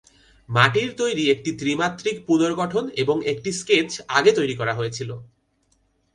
মাটির তৈরি একটি ত্রিমাত্রিক পুনর্গঠন এবং একটি স্কেচ আগে তৈরি করা হয়েছিল।